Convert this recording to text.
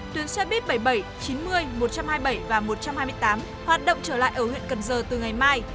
tuyến xe buýt bảy mươi bảy chín mươi một trăm hai mươi bảy và một trăm hai mươi tám hoạt động trở lại ở huyện cần giờ từ ngày mai